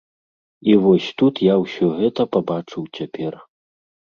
І вось тут я ўсё гэта пабачыў цяпер.